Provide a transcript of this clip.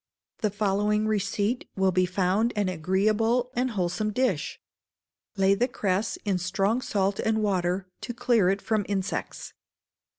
The following receipt will be found an agreeable and wholesome dish: Lay the cress in strong salt and water, to clear it from insects.